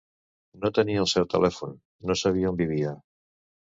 No tenia el seu telèfon, no sabia on vivia.